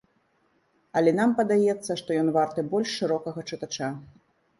Але нам падаецца, што ён варты больш шырокага чытача.